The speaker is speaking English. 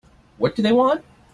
What do they want?